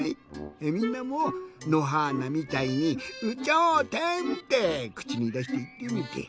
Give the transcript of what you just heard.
みんなものはーなみたいに「有頂天」ってくちにだしていってみて。